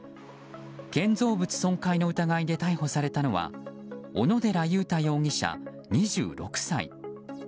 建造物損壊の疑いで逮捕されたのは小野寺優多容疑者、２６歳。